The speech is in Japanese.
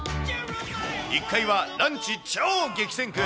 １階はランチ超激戦区。